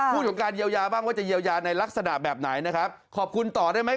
พูดบังกลัวว่าจะเยียวยาในลักษณะแหปนั้นขอบคุณต่อได้ไหม